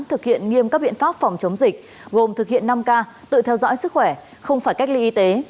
thực hiện nghiêm các biện pháp phòng chống dịch gồm thực hiện năm k tự theo dõi sức khỏe không phải cách ly y tế